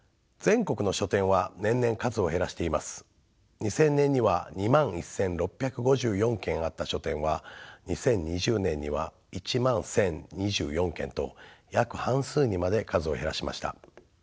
２０００年には２１，６５４軒あった書店は２０２０年には１１，０２４軒と約半数にまで数を減らしました。